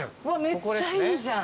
めっちゃいいじゃん。